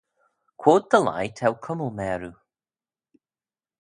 Quoid dy leih t'ou cummal mâroo?